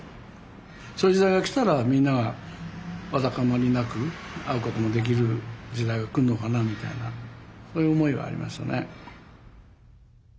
そういう時代がきたらみんながわだかまりなく会うこともできる時代がくるのかなみたいなそういう思いはありましたね。